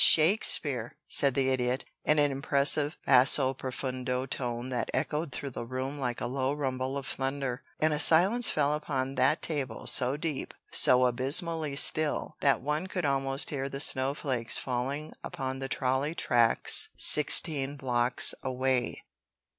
"Shakespeare!" said the Idiot, in an impressive basso profundo tone that echoed through the room like a low rumble of thunder. And a silence fell upon that table so deep, so abysmally still, that one could almost hear the snowflakes falling upon the trolley tracks sixteen blocks away.